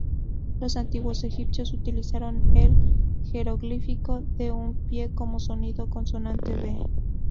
Los antiguos egipcios utilizaron el jeroglífico de un pie como sonido consonante b.